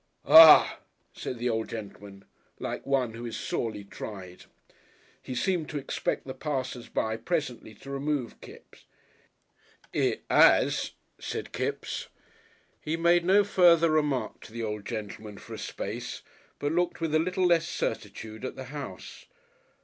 "Aw!" said the old gentleman, like one who is sorely tried. He seemed to expect the passers by presently to remove Kipps. "It 'as," said Kipps. He made no further remark to the old gentleman for a space, but looked with a little less certitude at the house....